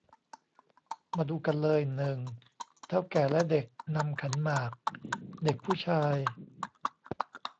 มาดูกันเลย หนึ่ง เถ้าแก่และเด็กนำขันหมาก เด็กผู้ชาย